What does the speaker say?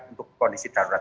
untuk kondisi darurat